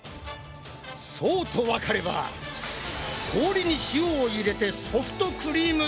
そうとわかれば氷に塩を入れてソフトクリーム作り再開だ！